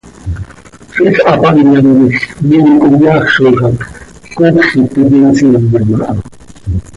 Ziix hapamyam quij miim conyaazoj hac, coocj quih ptiiqui nsiimyam aha.